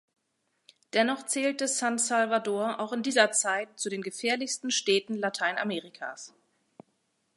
Dennoch zählte San Salvador auch in dieser Zeit zu den gefährlichsten Städten Lateinamerikas.